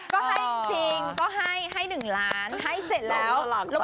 ก็ให้จริงก็ให้ให้๑ล้านให้เสร็จแล้ว